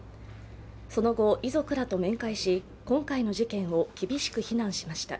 その後、遺族らと面会し今回の事件を厳しく非難しました。